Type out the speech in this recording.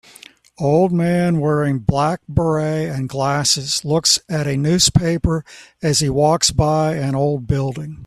Old man wearing black Barret and glasses looks at a newspaper as he walks by an old building